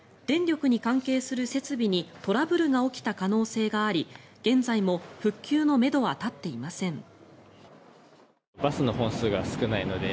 電力に関係する設備にトラブルが起きた可能性があり現在も復旧のめどは立っていません。